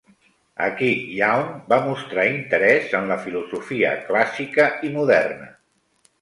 Aquí Young va mostrar interès en la filosofia clàssica i moderna.